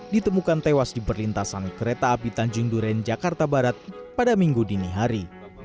ditemukan tewas di perlintasan kereta api tanjung duren jakarta barat pada minggu dini hari